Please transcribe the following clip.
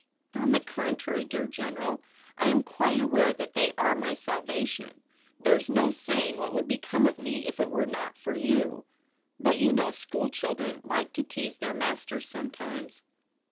' On the contrary, dear General. I am quite aware that they are my salvation. There's no saying what would become of me if it were not for you. But you know school children like to tease their masters some times.'